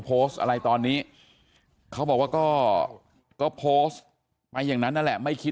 โพสต์อะไรตอนนี้เขาบอกว่าก็โพสต์ไปอย่างนั้นนั่นแหละไม่คิด